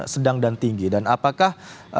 sedang dan tinggi dan apakah